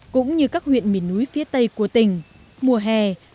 cũng như các huyện miền núi phía tây của tỉnh